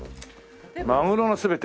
『マグロのすべて』。